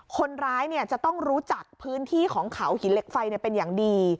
คนร้ายจะต้องรู้จักพื้นที่ของเขาหินเหล็กไฟเป็นอย่างดี